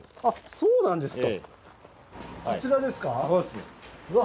そうなんですか。